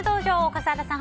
笠原さん